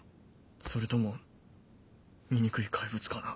それとも醜い怪物かな？